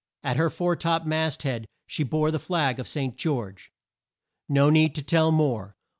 At her fore top mast head she bore the flag of St. George. No need to tell more.